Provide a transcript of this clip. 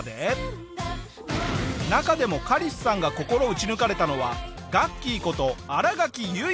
中でもカリスさんが心を打ち抜かれたのはガッキーこと新垣結衣！